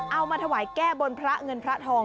เอามาถวายแก้บนพระเงินพระทอง